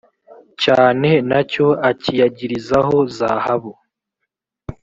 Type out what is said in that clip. cyane na cyo akiyagirizaho zahabu